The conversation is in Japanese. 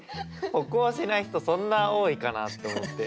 歩行しない人そんな多いかなと思って。